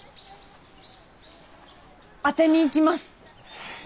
当てにいきます！